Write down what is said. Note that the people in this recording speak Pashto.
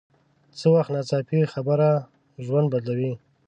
څه وخت ناڅاپي خبره ژوند بدلوي